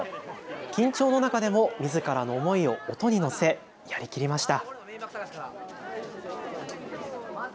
緊張の中でもみずからの思いを音に乗せ、やりきりました。